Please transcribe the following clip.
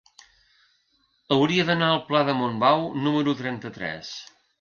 Hauria d'anar al pla de Montbau número trenta-tres.